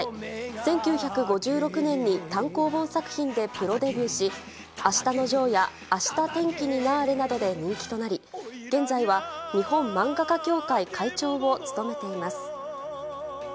１９５６年に、単行本作品でプロデビューし、あしたのジョーや、あした天気になあれなどで人気となり、現在は、日本漫画家協会会長を務めています。